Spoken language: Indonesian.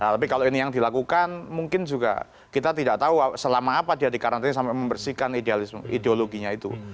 tapi kalau ini yang dilakukan mungkin juga kita tidak tahu selama apa dia dikarantina sampai membersihkan ideologinya itu